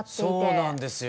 そうなんですよ。